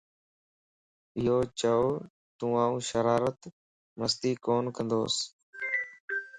يوچو توآن شرارت / مستي ڪون ڪندوس